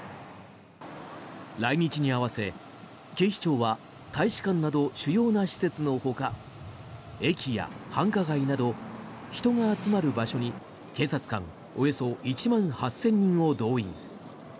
来日に合わせ、警視庁は大使館など主要な施設のほか駅や繁華街など人が集まる場所に警察官およそ１万８０００人を動員。